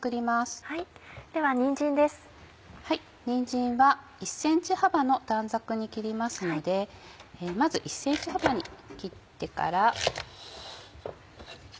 にんじんは１ｃｍ幅の短冊に切りますのでまず１ｃｍ幅に切ってから。